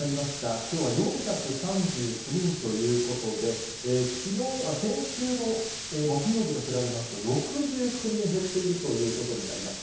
きょうは４３９人ということで、先週の木曜日と比べますと６９人減っているということになります。